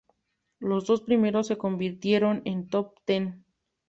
Los dos primeros se convirtieron en top ten.